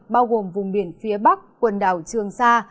bao gồm vùng biển phía bắc quần đảo trường sa